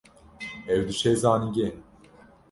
Ew diçe zanîngehê